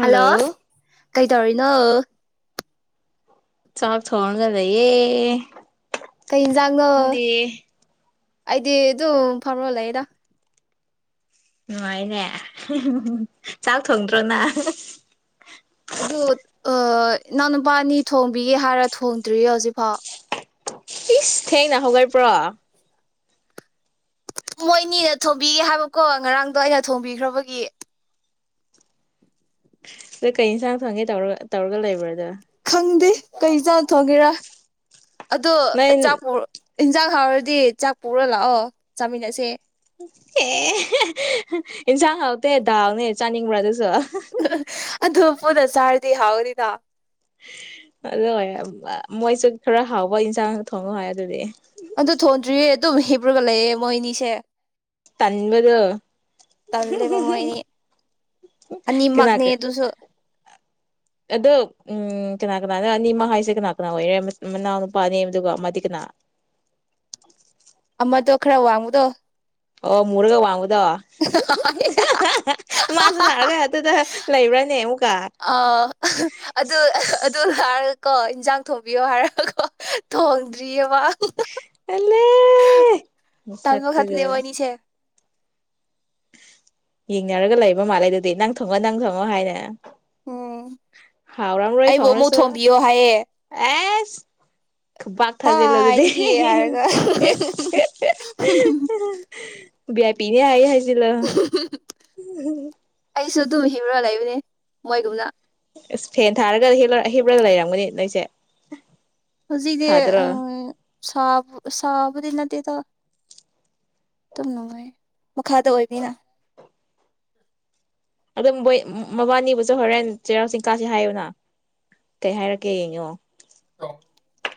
Hello ꯀꯩ ꯇꯧꯔꯤ ꯅꯅꯥ ꯆꯥꯛ ꯊꯅꯒꯗꯌꯦ ꯀꯩꯖꯒ ꯑꯩꯗꯤ ꯑꯗꯨ ꯐꯔꯣꯂꯦꯗ ꯅꯨꯡꯉꯥꯏꯅꯦ ꯆꯥꯛ ꯊꯣꯡꯗ꯭ꯔꯣꯅ ꯑꯗꯨ ꯏꯅꯥꯎꯅꯄꯥꯅꯤ ꯊꯣꯡꯕꯤꯒꯦ ꯍꯥꯏꯔ ꯊꯣꯡꯗ꯭ꯔꯤꯌꯦ ꯍꯧꯖꯤꯛꯐꯥꯎ ꯏꯤꯁ ꯍꯦꯅꯍꯒꯥꯏ ꯄ ꯃꯣꯏꯅꯤꯅ ꯊꯣꯡꯝꯕꯤꯒꯦ ꯍꯥꯏꯕꯀꯣ ꯉꯔꯥꯡꯗꯣ ꯑꯩꯅ ꯊꯣꯡꯕꯤꯈ꯭ꯔꯕꯒꯤ ꯑ ꯀꯩ ꯌꯦꯟꯁꯥꯡ ꯊꯣꯡꯒꯦ ꯇꯧꯔ ꯇꯧꯔꯒ ꯂꯩꯕ꯭ꯔꯥꯗ ꯈꯪꯗꯦ ꯀꯩ ꯆꯥꯅ ꯊꯣꯡꯒꯦꯔꯥ ꯑꯗꯨꯣ ꯅꯣꯏ ꯆꯥꯄꯨ ꯏꯟꯖꯥꯛ ꯍꯥꯎꯔꯗꯤ ꯆꯥꯛ ꯄꯨꯔ ꯂꯥꯛꯑꯣ ꯆꯥꯃꯤꯟꯅꯁꯦ ꯑꯦ ꯏꯟꯁꯥꯡ ꯍꯥꯎꯇꯦ ꯗꯥꯎꯅꯦ ꯆꯥꯅꯤꯡꯕ꯭ꯔ ꯑꯗꯨꯁꯨ ꯍꯗꯁꯥꯔꯗꯤ ꯍꯥꯎꯔꯤꯗ ꯑ ꯍ ꯃꯣꯏꯁꯨ ꯈꯔ ꯍꯥꯎꯕ ꯏꯟꯁꯥꯡ ꯊꯣꯡꯉꯣ ꯍꯥꯏ ꯑꯗꯨꯗꯤ ꯑꯗꯨꯗ ꯊꯣꯣꯟ꯭ꯔꯤ ꯑꯗꯨꯝ ꯍꯦꯕꯨ꯭ꯔ ꯀꯂꯦ ꯑꯦ ꯃꯣꯏꯅꯤꯁꯦ ꯇꯟꯕꯗꯣ ꯇꯜꯂꯦꯕ ꯃꯣꯏꯅꯤ ꯀꯅꯥ ꯑꯅꯤꯃꯛꯅꯦ ꯑꯗꯨꯁꯨ ꯑꯗꯣ ꯎꯝ ꯀꯅꯥ ꯀꯅꯥꯅ ꯑꯅꯤ ꯃꯍ ꯍꯥꯏꯁꯦ ꯀꯅꯥ ꯀꯅꯥ ꯑꯣꯏꯔꯦ ꯃꯅꯥꯎ ꯅꯨꯄꯥꯅꯤ ꯑꯗꯨꯒ ꯑꯃꯗꯤ ꯀꯅꯥ ꯃꯠꯇꯣ ꯈꯔ ꯋꯥꯃꯨꯗꯣ ꯑꯣ ꯃꯔꯒ ꯋꯥꯡꯉ ꯑꯗꯣ ꯃꯥꯁꯨ ꯂꯥꯛꯑꯒ ꯑꯗꯨꯗ ꯂꯩꯕ꯭ꯔꯥꯅꯦ ꯑꯃꯨꯛꯀ ꯑ ꯀꯣ ꯏꯟꯖꯥꯡ ꯊꯣꯕꯤꯌꯣ ꯍꯥꯏꯔ ꯣ ꯊꯣꯡꯗ ꯔꯤꯋꯥꯥꯛ ꯇꯜꯂꯦ ꯇꯥꯜꯃ ꯈꯇ ꯂ ꯃꯁꯛꯇꯨꯒ ꯋꯥꯅꯤ ꯌꯦꯡꯅꯔꯒ ꯂꯩꯕ ꯃꯥꯜꯂꯦ ꯑꯗꯨꯗꯤ ꯅꯪ ꯊꯪꯉꯣ ꯅꯪ ꯊꯪꯉꯣ ꯍꯥꯏꯅ ꯎꯝ ꯍꯥꯎꯔꯝꯔꯣꯏ ꯑꯩꯕꯨ ꯑꯃꯨꯛ ꯊꯣꯡꯔꯁꯨ ꯊꯣꯝꯕꯤꯌꯣ ꯍꯥꯏꯌꯦ꯫ ꯑꯦꯁ꯫ ꯈꯨꯄꯥꯛꯊꯖꯤꯜꯂꫭ ꯑꯗꯨꯗ꯫ ꯀꯥꯏꯗꯒꯤ ꯍꯥꯏꯔꯒ ꯕꯦ ꯑꯥꯏ ꯄꯤꯅꯦ ꯍꯥꯏꯑꯦ ꯍꯥꯏ꯫ ꯖꯤꯜꯂꫭ꯫ ꯑꯩꯁꯨ ꯑꯗꯨꯨ ꯍꯤꯔ ꯂꯩꯥꯌꯨ꯫ ꯅꯦ ꯃꯣꯏꯒꯨꯝꯅ꯫ ꯑꯦꯁ ꯐꯦꯟ ꯊꯥꯔꯒ ꯍꯤꯞꯂꯒ ꯂꯩꯔꯝꯒꯅꯤ ꯅꯣꯏꯁꯦ꯫ ꯍꯧꯖꯤꯛꯇꯤ ꯊꯥꯗ꯭ꯔꯣ ꯑ ꯁꯥꯄ ꯁꯥꯄ꯫ ꯗꯤ ꯅꯠꯇ‌ꯦꯗ꯫ ꯑꯗꯨꯝ ꯅꯨꯡꯉꯥꯏꯌꯦ ꯃꯈꯥꯗ ꯑꯣꯏꯕꯅꯤꯅ꯫ ꯑꯗꯨꯝꯕꯣꯏ ꯃꯕꯥꯅꯤꯕꯨꯁꯨ ꯍꯣꯔꯦꯟ ꯆꯩꯔꯥꯎ ꯆꯤꯡꯀꯥꯁꯦ ꯍꯥꯏꯌꯨꯅ ꯀꯩ ꯍꯥꯏꯔꯛꯀꯦ ꯌꯦꯡꯉꯣ꯫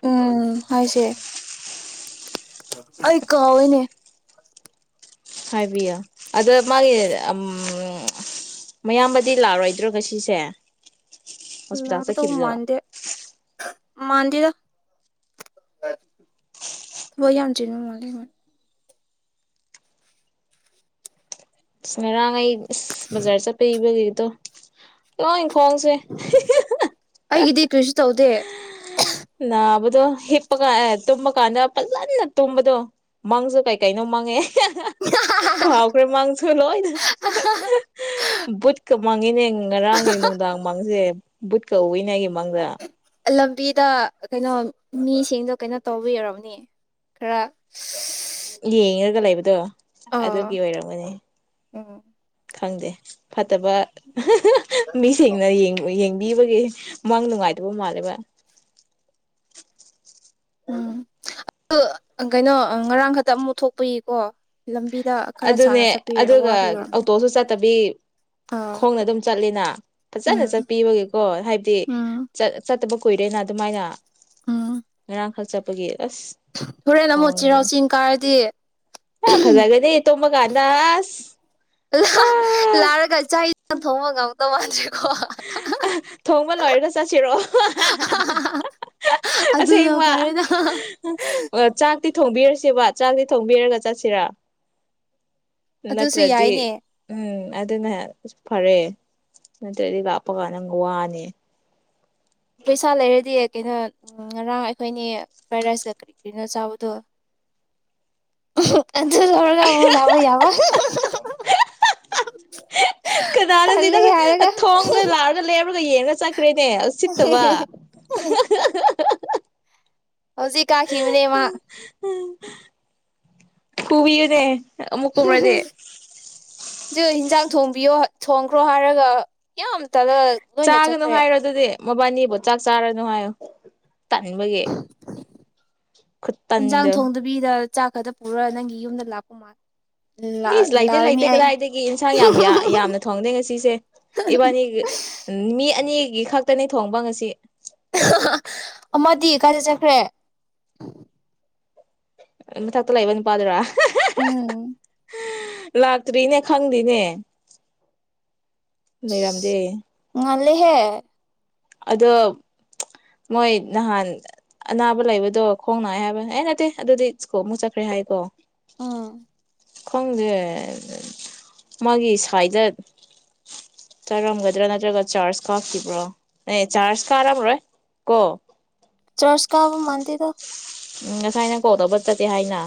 ꯎꯝ ꯍꯥꯏꯁꯦ꯫ ꯑꯩ ꯀꯥꯎꯑꯦꯅꯦ꯫ ꯍꯥꯏꯕꯤꯌꯣ ꯑꯗ ꯃꯥꯒꯤ ꯎꯝ ꯃꯌꯥꯝꯕꯗꯤ ꯂꯥꯔꯣꯏꯗ꯭ꯔꯣ ꯉꯁꯤꯁ‌ꯦ ꯍꯣꯁꯄꯤꯇꯥꯜ ꯆꯠꯈꯤꯕꯗꫭ ꯃꯥꯟꯗ‌ꯦꯗ ꯊꯕꯛ ꯌꯥꯝ ꯆꯤꯟꯕ ꯃꯥꯜꯂ‌ꯦꯃ ꯑꯁ ꯉꯔꯥꯡ ꯑꯩ ꯏꯁ ꯕꯖꯔ ꯆꯠꯄꯩꯕꯒꯤ ꯗꫭ ꯂꫭꯏ ꯑꯩꯒꯤꯗꯤ ꯀꯔꯤꯁꯨ ꯇꯧꯗꯦ ꯅꯥꯕꯗꯣ ꯍꯤꯞꯄꯒ ꯑꯦ ꯇꯨꯝꯕ ꯀꯥꯟꯗ ꯐꯖꯅ ꯇꯨꯝꯕꯗꯣ ꯃꯪꯁꯨ ꯀꯩ ꯀꯩꯅꯣ ꯃꯪꯉꯦ ꯀꯥꯎꯈ꯭ꯔ‌ꯦ ꯃꯪꯁꯨ ꯂꫭꯏꯅ ꯕꯨꯠꯀ ꯃꯥꯡꯒꯤꯅꯦ ꯉꯔꯥꯡꯒꯤ ꯅꯨꯡꯗꯥꯡ ꯃꯡꯁꯦ ꯕꯨꯠꯀ ꯎꯏꯅ‌ꯦ ꯑꯩꯒꯤ ꯃꯪꯗ ꯂꯝꯕꯤꯗ ꯀꯩꯅꯣ ꯃꯤꯁꯤꯡꯗꯣ ꯀꯩꯅꯣ ꯇꯧꯕꯤ ꯑꯣꯏꯔꯝꯅꯤ ꯈꯔ ꯌꯦꯡꯔꯒ ꯂꯩꯥꯕꯩ ꯗ ꯑꯗꯨꯒꯤ ꯑꯥ ꯑꯣꯏꯔꯝꯒꯅꯤ ꯎꯝ ꯈꯪꯗꯦ ꯐꯠꯇꯕ ꯃꯤꯁꯤꯡꯅ ꯌꯦꯎ ꯌꯦꯡ ꯀꯤꯕꯒꯤ ꯃꯪ ꯅꯨꯡꯉꯥꯏꯗꯕ ꯃꯥꯜꯂꯦꯕ ꯎꯝ ꯑꯗꯨ ꯀꯩꯅꯣ ꯉꯔꯥꯡ ꯈꯛꯇ ꯑꯃꯛ ꯊꯣꯛꯄꯒꯤꯀꯣ ꯂꯝꯕꯤ ꯑꯗꯨꯅꯦ ꯑꯗꯨꯒ ꯑꯣꯇꯣꯁꯨ ꯆꯠꯇꯕꯤ ꯑꯥ ꯈꯣꯡꯅ ꯑꯗꯨꯝ ꯆꯠꯂꯦꯅ ꯐꯖꯅ ꯎꯝ ꯆꯠꯄꯤꯕꯒꯤꯀꯣ ꯍꯥꯏꯕꯗꯤ ꯎꯝ ꯆꯠꯇꯕ ꯀꯨꯏꯔꯦꯅ ꯑꯗꯨꯃꯥꯏꯅ ꯎꯝ ꯉꯔꯥꯡꯈꯛ ꯆꯠꯄꯒꯤ ꯑꯁ ꯍꯣꯔꯦꯟ ꯑꯃꯨꯛ ꯈꯣꯡꯗꯦ ꯆꯤꯔꯥꯎ ꯆꯤꯡ ꯀꯥꯔꯗꯤ ꯑ ꯐꯖꯒꯗꯤ ꯇꯨꯃꯥ ꯀꯥꯟꯗꯥ ꯑꯁ ꯂ ꯄꯨꯔꯥ ꯂꯥꯔꯒ ꯆꯥꯛ ꯊꫭꯡꯉꯒ ꯉꯝꯗꯧ ꯃꯟꯗꯔ꯭ꯦ ꯊꯣꯡꯕ ꯂꯣꯏꯔꯒ ꯆꯠꯁꯤꯔꯣ ꯑꯗꯨꯅ ꯑꯁꯦꯡꯃ ꯐꯔꯦꯗ ꯆꯥꯛ ꯆꯥꯛꯇꯤ ꯊꯣꯡꯕꯤꯔꯁꯦꯕ ꯆꯥꯛꯇꯤ ꯊꯣꯡꯕꯤꯔꯒ ꯆꯠꯁꯤꯔꯥ ꯑꯗꯨꯁꯨ ꯅꯠꯇ꯭ꯔꯗꯤ ꯌꯥꯏꯅꯦ ꯎꯝ ꯑꯗꯨꯅ ꯐꯔꯦ ꯗꯤ ꯂꯥꯛꯄ ꯀꯥꯟ ꯅꯪ ꯋꯥꯅꯦ ꯄꯩꯁꯥ ꯂꯩꯔꯗꯤ ꯀꯩꯅꯣ ꯉꯔꯥꯡ ꯑꯩꯈꯣꯏꯅꯤ ꯐ꯭ꯔꯥꯏ ꯔꯥꯏꯁꯀ ꯀꯔꯤ ꯀꯔꯤꯅꯣ ꯆꯥꯕꯗꯣ ꯑꯗꯨ ꯂꯧꯔꯒ ꯑꯃꯨꯛ ꯂꯛꯄ ꯌꯥꯕ ꯀꯅꯥꯅꯣ ꯇꯜꯂꯦ ꯁꯤꯗ ꯍꯥꯏꯔꯒ ꯊꯣꯡꯗ ꯂꯥꯛꯑꯒ ꯂꯦꯞꯨꯔꯒ ꯌꯦꯡꯉ ꯆꯠꯈ꯭ꯔꯦꯅꯦ ꯎꯁꯤꯠꯇꯕ [unintelligible] ꯍꯧꯖꯤꯛ ꯀꯥꯈꯤꯕꯕꯅꯦ ꯃꯥ ꯐꯨꯕꯤꯕꯅꯦ [unintelligible] ꯖꯨ ꯍꯤꯟꯖꯡ ꯊꯣꯝꯕꯤꯑꯣ ꯊꯣꯡꯈ꯭ꯔꯣ ꯍꯥꯏꯔꯒ ꯌꯥꯝ ꯇꯜꯂ ꯂꯣꯏꯅ ꯆꯠꯈ꯭ꯔꯦ ꯃꯥꯕꯅꯤꯕꯥ ꯆꯥꯛ ꯆꯥꯔꯅꫭ ꯍꯥꯏꯌꫭ ꯇꯟꯕꯒꯤ ꯈꯨ ꯏꯟꯖꯥꯡ ꯇꯟꯗꫭ ꯊꯣꯡꯗꯕꯤꯗ ꯆꯥꯛ ꯈꯛꯇ ꯄꯨꯔꯔ ꯅꯪꯒꯤ ꯌꯨꯝꯗ ꯂꯥꯛꯄ ꯃꯥꯜꯂꯦ ꯏꯁ ꯂꯩꯇꯦ ꯂꯩꯇꯦ ꯀꯗꯥꯏꯗꯒꯤ ꯏꯟꯁꯥꯡ ꯌꯥꯝ ꯌꯥꯝꯅ ꯊꯣꯡꯗꯦ ꯉꯁꯤꯁꯦ ꯏꯕꯥꯅꯤ ꯃꯤ ꯑꯅꯤꯒꯤ ꯈꯛꯇꯅꯤ ꯊꯣꯡꯕ ꯉꯁꯤ [unintelligible] ꯑꯃꯗꯤ ꯀꯥꯏꯗ ꯆꯠꯈ꯭ꯔꯦ [inaudible] ꯃꯊꯛꯇ ꯂꯩꯕ ꯅꯨꯄꯥ ꯗꯨꯔꯥ [unintelligible] ꯎꯝ ꯂꯥꯛꯇ꯭ꯔꯤꯅꯦ ꯈꯪꯗꯦꯅꯦ ꯂꯩꯔꯝꯗꯦ ꯉꯜꯂꯦꯍꯦ ꯑꯗꯣ ꯃꯣꯏ ꯅꯍꯥꯟ ꯑꯅꯥꯕ ꯂꯩꯕꯗꯣ ꯈꯣꯡ ꯅꯥꯑ ꯍꯥꯏꯕ ꯑꯩ ꯅꯠꯇꯦ ꯑꯗꯨꯗꯤ ꯁ꯭ꯀꯣ ꯑꯃꯨꯛ ꯆꯠꯈ꯭ꯔꯦ ꯍꯥꯏꯀꯣ ꯎꯝ ꯈꯪꯗꯦ ꯃꯥꯒꯤ ꯁꯥꯏꯗ ꯆꯥꯔꯝꯒꯗ꯭ꯔꯥ ꯅꯠꯇ꯭ꯔꯒ ꯆꯥꯔꯖ ꯀꯥꯞꯈꯤꯕ꯭ꯔꯣ ꯑꯦ ꯆꯥꯔꯖ ꯀꯥꯔꯝꯃꯔꯣꯏ ꯀꯣ ꯆꯔꯁ ꯀꯥꯕ ꯃꯥꯟꯇꯗꯣ ꯎꯝ ꯉꯁꯥꯏꯅ ꯀꯣꯜ ꯇꯧꯕ ꯆꯠꯇꯦ ꯍꯥꯏꯅ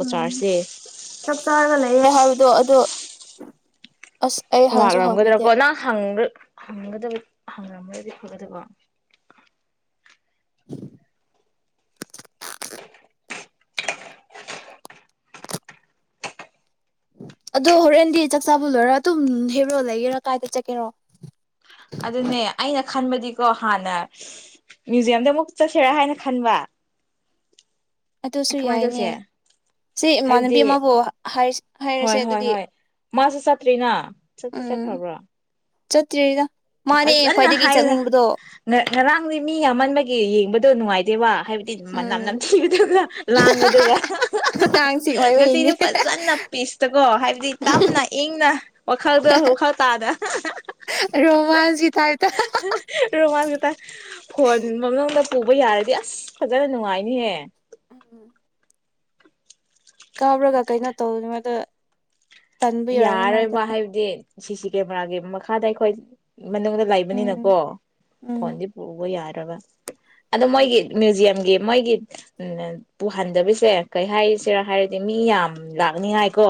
ꯎꯝ ꯆꯛ ꯆꯔꯒ ꯂꯩ ꯑꯗꯣ ꯑꯗꯣ ꯑꯁ ꯑꯩ ꯍꯪꯁꯨ ꯍꯪꯕꯤꯗꯦ ꯋꯥꯔꯝꯒꯗ꯭ꯔꯀꯣ ꯅ ꯍꯪ ꯍꯪꯒꯗꯕ ꯍꯪꯉꯝꯃꯒꯗꯤ ꯐꯒꯗꯕ [unintelligible] ꯑꯗꯣ ꯍꯣꯔꯦꯟꯗꯤ ꯆꯥꯛꯆꯥꯕꯨ ꯂꯣꯏꯔ ꯑꯗꯨꯝ ꯍꯦꯔꯣ ꯂꯩꯒꯦꯔꯥ ꯀꯥꯏꯗ ꯆꯠꯀꯦꯔꯣ ꯑꯗꯨꯅꯦ ꯑꯩꯅ ꯈꯟꯕꯗꯤ ꯀꯣ ꯍꯥꯟꯅ ꯃ꯭ꯌꯨꯖꯤꯌꯝꯗ ꯑꯃꯨꯛ ꯆꯠꯁꯦꯔꯥ ꯍꯥꯏꯅ ꯈꯟꯕ ꯑꯗꯨꯁꯨ ꯀꯃꯥꯏꯅ ꯌꯥꯏꯅꯦ ꯇꯧꯁꯦ ꯁꯤ ꯍꯥꯏꯕꯗꯤ ꯏꯃꯥꯟꯅꯕꯤ ꯑꯃꯕꯨ ꯍꯥꯏꯔꯁꯦ ꯍꯣꯏ ꯍꯣꯏ ꯑꯗꯨꯗꯤ ꯍꯣꯏ ꯃꯥꯁꯨ ꯆꯠꯇ꯭ꯔꯤꯅ ꯆꯠꯇꯤ ꯎꯝ ꯆꯠꯈ꯭ꯔꯕ꯭ꯔꯣ ꯆꯠꯇꯤꯔꯤꯗ ꯐꯖꯅ ꯍꯥꯏꯔ ꯉꯔꯥꯡꯗꯤ ꯃꯤ ꯌꯥꯝꯃꯟꯕꯒꯤ ꯌꯦꯡꯕꯗ ꯑꯗꯨꯣ ꯅꯨꯡꯉꯥꯏꯗꯦꯕ ꯍꯥꯏꯕꯗꯤ ꯃꯅꯝ ꯎꯝ ꯅꯝꯊꯤꯕꯗꯨꯒ ꯂꯥꯡꯕꯗꯨꯒ ꯑꯉꯥꯡꯁꯤꯡ ꯑꯣꯏꯕꯩꯅꯦ ꯉꯁꯤꯁꯦ ꯐꯖꯅ ꯄꯤꯁꯇꯀꯣ ꯍꯥꯏꯕꯗꯤ ꯇꯞꯅ ꯏꯪꯅ ꯋꯥꯈꯜꯗꯣ ꯋꯥꯈꯜ ꯇꯥꯅ ꯔꯣꯃꯥꯟꯁꯀꯤ ꯇꯥꯏꯞꯇ ꯔꯣꯃꯥꯟ ꯇ ꯐꯣꯟꯕ ꯄꯨꯕ ꯌꯥꯔꯗꯤ ꯑꯁ ꯐꯖꯅ ꯅꯨꯡꯉꯥꯏꯅꯤꯍꯦ ꯎꯝ ꯀꯥꯎꯔꯒ ꯀꯩꯅꯣ ꯇꯧꯅꯤꯉꯗ ꯌꯥꯔꯣꯏꯕ ꯍꯥꯏꯕꯗꯤ ꯁꯤ ꯁꯤ ꯀꯦꯃꯦꯔꯥꯒꯤ ꯃꯈꯥꯗ ꯑꯩꯈꯣꯏ ꯃꯅꯨꯡꯗ ꯂꯩꯕꯅꯤꯅꯀꯣ ꯎꯝ ꯎꯝ ꯐꯣꯟꯗꯤ ꯄꯨꯕ ꯌꯥ ꯇꯕ ꯑꯗꯣ ꯃꯣꯏꯒꯤ ꯃ꯭ꯌꯨꯖꯤꯌꯝꯒꯤ ꯃꯣꯏꯒꯤ ꯎ ꯄꯨꯍꯟꯗꯕꯤꯁꯦ ꯀꯩ ꯍꯥꯏꯁꯤꯔ ꯍꯥꯏꯔꯗꯤ ꯃꯤ ꯌꯥꯝ ꯂꯥꯛꯅꯤꯉꯥꯏꯀꯣ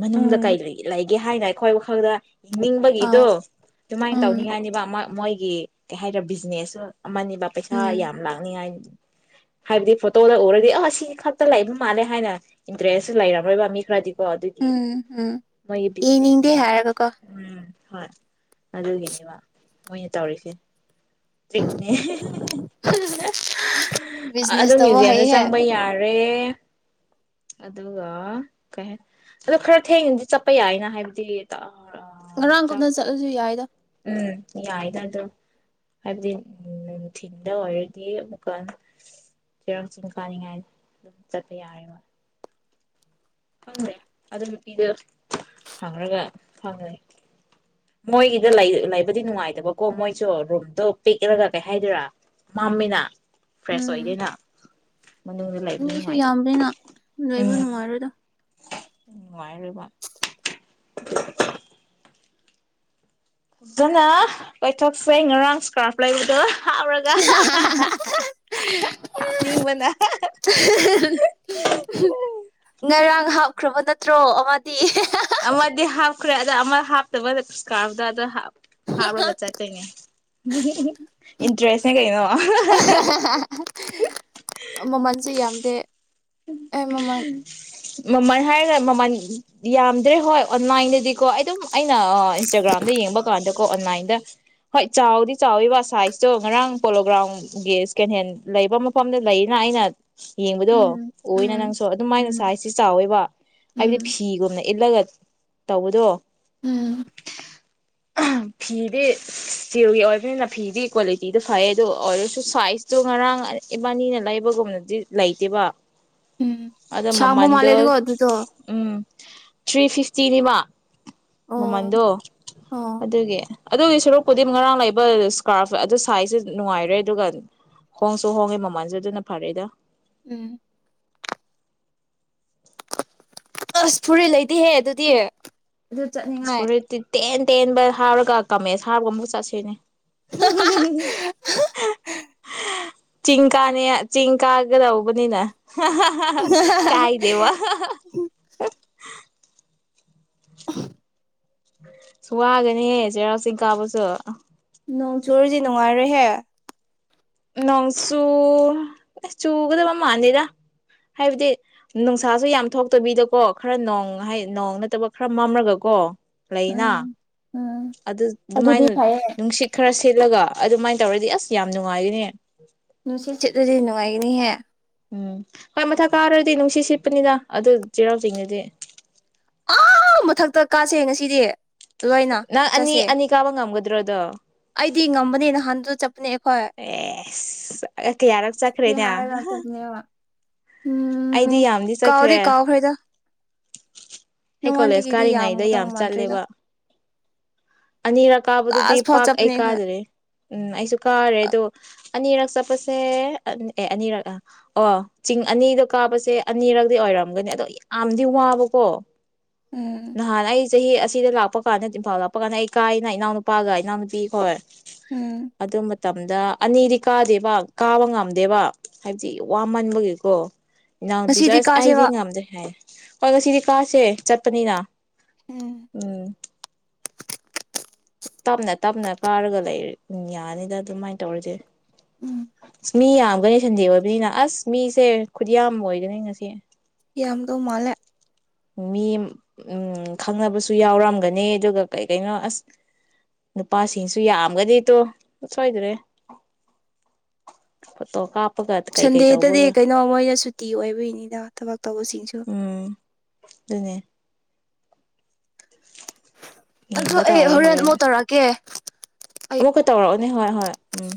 ꯃꯅꯨꯡꯗ ꯀꯥꯏ ꯎꯝ ꯂꯩꯒ ꯂꯥꯏ ꯒꯤ ꯍꯥꯏꯅ ꯑꯩꯈꯣꯏ ꯋꯥꯈꯜꯗ ꯍꯅꯤꯡꯕꯒꯤꯗꯣ ꯑꯥꯎ ꯑꯗꯨꯨꯃꯥꯏꯅ ꯎꯝ ꯇꯧꯅꯤꯡꯉꯥꯏꯅꯤꯕ ꯑꯃ ꯃꯣꯏꯒꯤ ꯀꯩ ꯍꯥꯏꯔꯦ ꯕꯤꯖꯤꯅꯦꯁꯁꯨ ꯑꯃꯅꯦꯕ ꯄꯩꯁꯥ ꯎꯝ ꯌꯥꯝ ꯂꯥꯛꯅꯤꯉꯥꯏ ꯍꯥꯏꯕꯗꯤ ꯐꯣꯇꯣꯗ ꯎꯔꯗꯤ ꯑꯥ ꯁꯤ ꯈꯛꯇ ꯂꯩꯕ ꯃꯥꯜꯂꯦ ꯍꯥꯏꯅ ꯏꯟꯇꯔꯦꯁꯁꯨ ꯂꯩꯔꯝꯣꯏꯕ ꯃꯤ ꯈꯔꯗꯤ ꯑꯗꯨꯒꯤ ꯎꯝ ꯎꯝ ꯌꯦꯡꯅꯤꯡꯗꯦ ꯕꯤꯖꯤꯅꯦꯁꯅꯦꯕ ꯍꯥꯏꯔꯒꯀꯣ ꯎꯝ ꯍꯣꯏ ꯑꯗꯨꯒꯤꯅꯦꯕ ꯃꯣꯏꯅ ꯇꯧꯔꯤꯁꯦ ꯇꯔꯤꯅꯦ ꯑꯗꯨ ꯕꯤꯖꯤꯅꯦꯁ ꯇꯧꯕ ꯃ꯭ꯌꯨꯖꯤꯌꯝꯗ ꯍꯩꯍꯦ ꯆꯪꯕ ꯌꯥꯔꯣꯏ ꯑꯗꯨꯒ ꯀꯩ ꯑꯗꯣ ꯈꯔ ꯊꯦꯡꯅꯗꯤ ꯆꯠꯄ ꯌꯥꯏꯅ ꯍꯥꯏꯕꯗꯤ ꯉꯔꯥꯡ ꯆꯥꯛ ꯀꯨꯞꯅ ꯆꯠꯂꯁꯨ ꯌꯥꯏꯗ ꯎꯝ ꯌꯥꯏꯅ ꯑꯣ ꯍꯥꯏꯕꯗꯤ ꯅꯨꯡꯊꯤꯟꯜꯗ ꯑꯣꯏꯔꯗꯤ ꯑꯃꯨꯛꯀ ꯆꯩꯔꯥꯛ ꯆꯤꯡ ꯀꯥꯅꯤꯡꯉꯥꯏ ꯑꯗꯨꯝ ꯆꯠꯄ ꯌꯥꯔꯦ ꯃ ꯈꯪꯗꯦ ꯑꯗꯨ ꯅꯨꯄꯤꯗꯣ ꯈꯪꯒ ꯐꯪꯉꯦ ꯃꯣꯏꯒꯤꯗ ꯂꯩꯕꯗꯤ ꯅꯨꯡꯉꯥꯏꯇꯕꯀꯣ ꯃꯣꯏꯁꯨ ꯔꯨꯝꯗꯣ ꯄꯤꯛꯑꯒ ꯀꯩ ꯍꯥꯏꯗꯣꯏꯔꯥ ꯃꯝꯃꯤꯅ ꯐ꯭ꯔꯦꯁ ꯎꯝ ꯑꯣꯏꯗꯅ ꯃꯤꯁꯨ ꯌꯥꯝꯗꯅꯤꯅ ꯅꯣꯏꯕꯨ ꯅꯨꯡꯉꯥꯏꯔꯣꯏꯗ ꯅꯨꯉꯥꯔꯣꯏꯕ [unintelligible] ꯑꯗꯨꯅ ꯀꯣꯏꯊꯣꯛꯁꯦ ꯉꯔꯥꯡ ꯏꯁꯀꯥꯔꯞ ꯂꯩꯕꯗꯣ ꯍꯥꯎꯔꯒ [unintelligible] ꯍꯥꯞꯅꯤꯛꯕꯅ ꯉꯔꯥꯡ ꯍꯥꯞꯈ꯭ꯔꯕ ꯅꯠꯇ꯭ꯔꯣ ꯑꯃꯗꯤ ꯑꯃꯗꯤ ꯍꯥꯞꯈ꯭ꯔꯦ ꯑꯗ ꯑꯃꯞ ꯕ ꯀꯥꯥꯎꯗꯗ ꯍꯥ ꯍꯥꯥꯎꯕꯒ ꯆꯠꯇꯣꯏꯅꯦ ꯏꯟꯇꯔꯦꯁꯅꯦ ꯀꯩꯩꯅ ꯃꯃꯜꯁꯨꯦ ꯌꯥꯝꯗꯦ ꯑꯥꯟ ꯃꯃꯜ ꯍꯥꯏꯔꯒ ꯃꯃꯜ ꯌꯥꯝꯗ꯭ꯔꯦ ꯍꯣꯏ ꯑꯣꯟꯂꯥꯏꯟꯗꯗꯤꯀꯣ ꯑꯗꯨꯝ ꯑꯩꯅ ꯏꯟꯁꯇꯥꯒ꯭ꯔꯥꯝꯗ ꯌꯦꯡꯕ ꯀꯥꯟꯗ ꯀꯣ ꯑꯣꯟꯂꯥꯏꯟꯗ ꯍꯣꯏ ꯆꯥꯎꯗꯤ ꯆꯥꯎꯋꯤꯕ ꯁꯥꯏꯖꯇꯣ ꯉꯔꯥꯡ ꯄꯣꯂꯣꯒ꯭ꯔꯥꯎꯝꯒꯤ ꯁꯦꯀꯦꯟ ꯍꯦꯟ ꯂꯩꯕ ꯃꯐꯝꯗ ꯂꯩꯌꯦꯅ ꯑꯩꯅ ꯌꯦꯡꯕꯗꯣ ꯎꯝ ꯎꯝ ꯅꯪꯁꯨ ꯑꯗꯨꯃꯥꯏꯅ ꯎꯝ ꯁ ꯍꯥꯏꯁ ꯆꯥꯎꯋꯦꯕ ꯎꯝ ꯍꯥꯏꯕꯗꯤ ꯐꯤꯒꯨꯝꯕ ꯏꯜꯂꯒ ꯇꯧꯕꯗꯣ ꯎꯝ ꯐꯤꯗꯤ ꯏꯁꯇꯤꯔꯒꯤ ꯑꯣꯏꯕꯅꯤꯅ ꯐꯤꯗꯤ ꯀ꯭ꯋꯥꯂꯤꯇꯤꯗꯨ ꯐꯩ ꯑꯗꯨꯣ ꯑꯣꯏꯔꯁꯨ ꯁꯥꯏꯖꯇꯣ ꯉꯔꯥꯡ ꯏꯕꯥꯅꯤꯅ ꯂꯩꯕꯒꯨꯝꯅꯗꯤ ꯂꯩꯇꯦꯕ ꯎꯝ ꯑꯗꯣ ꯁꯃꯨ ꯃꯃꯟꯗꯣ ꯃꯥꯂꯦꯗꯨꯒ ꯑꯗꯨꯗ ꯎꯝ ꯊ꯭ꯔꯤ ꯐꯤꯐꯇꯤꯤꯟꯃ ꯑꯣ ꯃꯃꯜꯗꯣ ꯑꯣ ꯑꯗꯨꯒꯤ ꯑꯗꯨꯒꯤ ꯁꯔꯨꯛꯄꯨꯗꯤ ꯉꯔꯥꯡ ꯂꯩꯕ ꯏꯁꯀꯥꯔꯐ ꯑꯗꯨ ꯁꯥꯏꯖꯁꯦ ꯅꯨꯡꯉꯥꯏꯔꯦ ꯑꯗꯨꯒ ꯍꯣꯡꯁꯨ ꯍꯣꯡꯉꯦ ꯃꯃꯜꯁꯨ ꯑꯗꯨꯅ ꯐꯔꯦꯗ ꯎꯝ ꯑꯁ ꯐꯨꯔꯤꯠ ꯂꯩꯗꯤꯍꯦ ꯑꯗꯨꯗꯤ ꯑꯗꯨ ꯆꯠꯅꯤꯡꯉꯦ ꯐꯨꯔꯤꯠꯇꯤ ꯇꯦꯟ ꯇꯦꯟꯕ ꯍꯥꯥꯎꯔꯒ ꯀꯥꯃꯦꯁ ꯍꯥꯔꯒ ꯑꯃꯨꯛ ꯆꯠꯁꯤꯅꯦ ꯍ ꯆꯤꯡ ꯀꯥꯅꯤ ꯆꯤꯡ ꯀꯥꯒ ꯂꯧꯕꯅꯤꯅ ꯀꯥꯏꯗꯦ ꯋꯥ [inaudible] ꯁ ꯋꯥꯒꯅꯤ ꯆꯩꯔꯥꯎꯁꯤꯤꯡ ꯀꯥꯕꯁꯨ ꯅꯣꯡ ꯆꯨꯔꯁ ꯅꯨꯡꯉꯥꯏꯔꯍꯦ ꯅꯣꯡꯆꯨ ꯆꯨꯒꯗꯕ ꯃꯥꯂꯦꯗ ꯍꯥꯏꯕꯗꯤ ꯅꯨꯡꯁꯥꯁꯨ ꯌꯥꯝ ꯊꯣꯛꯇꯕꯤꯗꯀꯣ ꯈꯔ ꯅꯣꯡ ꯍꯥꯏ ꯅꯣꯡ ꯅꯠꯇꯕ ꯈꯔ ꯃꯝꯂꯒꯀꯣ ꯂꯩꯅꯥ ꯎꯝ ꯎꯝ ꯑꯗꯨ ꯑꯗꯨꯗꯤ ꯑꯗꯨꯃꯥꯏꯅ ꯐꯩꯌꯦ ꯅꯨꯡꯁꯤꯠ ꯈꯔ ꯁꯦꯠꯂꯒ ꯑꯗꯨꯃꯥꯏꯅ ꯇꯧꯔꯗꯤ ꯑꯁ ꯌꯥꯝ ꯅꯨꯡꯉꯥꯏꯔꯤꯅꯦ ꯅꯨꯡꯁꯤꯠ ꯁꯤꯠꯂꯗꯤ ꯅꯨꯡꯉꯥꯏꯒꯅꯤꯍꯦ ꯎꯝ ꯍꯣꯏ ꯃꯊꯛ ꯀꯥꯔꯗꯤ ꯅꯨꯡꯁꯤꯠ ꯁꯤꯠꯄꯅꯤꯅ ꯑꯗꯨ ꯆꯩꯔꯥꯎ ꯆꯤꯡꯗꯗꯤ ꯑꯥ ꯃꯊꯛꯇ ꯀꯥꯁꯦ ꯉꯁꯤꯗꯤ ꯂꯣꯏꯅ ꯅꯪ ꯑꯅꯤ ꯆꯠꯁꯦ ꯑꯅꯤ ꯀꯥꯕ ꯉꯝꯒꯗ꯭ꯔꯣꯗꯣ ꯑꯩꯗꯤ ꯉꯝꯕꯅꯤ ꯅꯍꯥꯟ ꯑꯦ ꯀꯌꯥꯔꯛ ꯁꯤ ꯆꯠꯈ꯭ꯔꯦꯅꯦ ꯍꯥꯏꯔꯒ ꯆꯠꯄꯅꯦꯕ ꯎꯝ ꯑꯩꯗꯤ ꯌꯥꯝꯗꯤ ꯀꯥꯎꯗꯤ ꯆꯠꯈ꯭ꯔꯦ ꯀꯥꯎ ꯈꯔ‌ꯦꯗ ꯑꯩ ꯀꯣꯂꯦꯖ ꯀꯥꯔꯤꯉꯩꯗ ꯌꯥꯝꯒꯗꯧ ꯌꯥꯝ ꯃꯥꯟꯗ꯭ꯔꯦꯗ ꯆꯠꯂꯦꯕ ꯑꯅꯤꯔꯛ ꯀꯥꯕꯗꯨꯗꯤ ꯂꯥꯁ ꯐꯥꯎ ꯄꯥꯛ ꯑꯩ ꯆꯠꯄꯅꯦ ꯑꯩꯈꯣꯏ ꯀꯥꯗ꯭ꯔꯦ ꯎꯝ ꯑꯩꯁꯨ ꯀꯥꯔꯦ ꯑꯗꯣ ꯑꯅꯤꯔꯛ ꯆꯠꯄꯁꯦ ꯑꯦ ꯑꯅꯤꯔꯛ ꯑꯣ ꯆꯤꯡ ꯑꯅꯤꯗꯣ ꯀꯥꯕꯁꯦ ꯑꯅꯤꯔꯗꯤ ꯑꯣꯏꯔꯝꯒꯅꯤ ꯑꯗꯣ ꯌꯥꯝꯗꯤ ꯋꯥꯕꯀꯣ ꯎꯝ ꯅꯍꯟ ꯑꯩ ꯆꯍꯤ ꯑꯁꯤꯗ ꯂꯥꯛꯄ ꯀꯥꯟꯗ ꯏꯝꯐꯥꯜ ꯂꯥꯛꯄ ꯀꯥꯟꯗ ꯑꯩ ꯀꯥꯏꯅ ꯏꯅꯥꯎꯅꯨꯄꯥꯒ ꯏꯅꯥꯎꯅꯨꯄꯤ ꯈ‌ꯣꯏ ꯎꯝ ꯑꯗꯣ ꯃꯇꯝ ꯑꯝꯗ ꯑꯅꯤꯗꯤ ꯀꯥꯗꯦꯕ ꯀꯥꯕ ꯉꯝꯗꯦꯕ ꯍꯥꯏꯕꯗꯤ ꯋꯥꯃꯟꯕꯒꯤꯀꯣ ꯏꯅꯥꯎꯅꯨꯄꯤꯁꯨ ꯉꯁꯤꯗꯤ ꯑꯁ ꯑꯩꯗꯤ ꯀꯥꯁꯦꯕ ꯉꯝꯗꯦ ꯍꯥꯏꯌꯦ ꯍꯣꯏ ꯉꯁꯤꯗꯤ ꯀꯥꯁꯦ ꯆꯠꯄꯅꯤꯅ ꯎꯝ ꯇꯞꯅ ꯇꯞꯅ ꯀꯥꯔꯒ ꯂꯩ ꯌꯥꯅꯤꯗ ꯑꯗꯨꯃꯥꯏꯅ ꯇꯧꯔꯤꯁꯦ ꯎꯝ ꯃꯤ ꯌꯥꯝꯒꯅꯤ ꯁꯟꯗꯦ ꯑꯣꯏꯕꯅꯤꯅ ꯑꯁ ꯃꯤꯁꯦ ꯈꯨꯠꯌꯥꯝ ꯑꯣꯏꯒꯅꯤ ꯉꯁꯤ ꯌꯥꯝꯗꯣ ꯃꯥꯜꯂꯦ ꯃꯤ ꯎꯝ ꯈꯪꯅꯕꯁꯨ ꯌꯥꯎꯔꯝꯒꯅꯤ ꯑꯗꯨꯒ ꯀꯩ ꯀꯩꯅꯣ ꯑꯁ ꯅꯨꯄꯥꯁꯤꯡꯁꯨ ꯌꯥꯝꯒꯅꯤꯗꯣ ꯁꯣꯏꯗ꯭ꯔꯦ ꯐꯣꯇꯣ ꯀꯥꯞ ꯁꯟꯗꯦꯗꯗꯤ ꯀꯩꯅꯣ ꯃꯣꯏꯅ ꯁꯨꯇꯤ ꯑꯣꯏꯕꯣꯏꯅꯤꯗ ꯊꯕꯛ ꯇꯧꯕꯨꯁꯤꯡꯁꯨ ꯎꯝ ꯑꯗꯨꯅꯦ ꯑꯗꯨ ꯌꯦꯡꯕ ꯑꯩ ꯇꯥꯔꯦ ꯍꯣꯔꯦꯟ ꯑꯃꯨꯛ ꯇꯧꯔꯛꯑꯀꯦ ꯑꯃꯨꯛꯀ ꯇꯧꯔꯛ ꯅꯤ ꯍꯣꯏ ꯍꯣꯏ ꯎꯝ